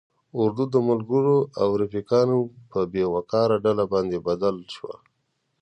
اردو د ملګرو او رفیقانو په بې وقاره ډله باندې بدل شوه.